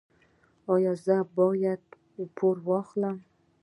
ایا زه باید پور واخلم؟